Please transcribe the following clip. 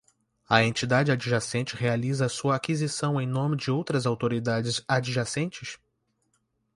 A entidade adjudicante realiza a sua aquisição em nome de outras autoridades adjudicantes?